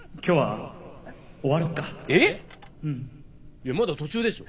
いやまだ途中でしょ。